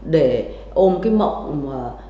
để ôm cái mộng